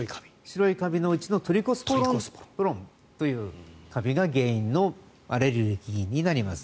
白いカビのうちのトリコスポロンというカビが原因のアレルギーになります。